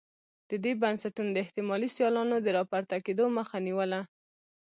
دې بنسټونو د احتمالي سیالانو د راپورته کېدو مخه نیوله.